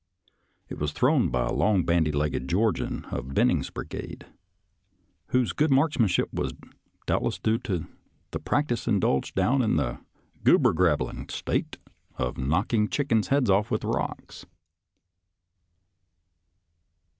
It was thrown by a little bandy legged Georgian of Benning's brigade, whose good marksmanship was doubt less due to the practice indulged down in the " Goober Grabbling State " of knocking chickens' heads off with rocks.